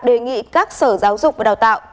đề nghị các sở giáo dục và đào tạo